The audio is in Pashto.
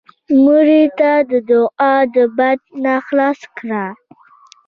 مړه ته د دوعا د بند نه خلاص کړه